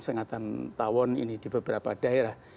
sengatan tawon ini di beberapa daerah